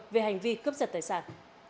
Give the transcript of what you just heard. về hành vi cướp giật tài sản